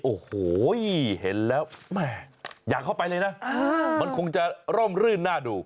โอ้โหเห็นแล้วแม่อยากเข้าไปเลยนะมันคงจะร่มรื่นน่าดู